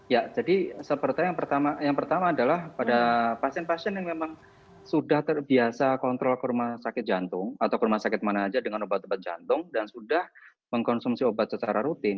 ya jadi seperti yang pertama adalah pada pasien pasien yang memang sudah terbiasa kontrol ke rumah sakit jantung atau ke rumah sakit mana saja dengan obat obat jantung dan sudah mengkonsumsi obat secara rutin